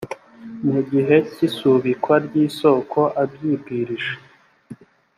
mu gihe cy’ isubikwa ry’ isoko abyibwirije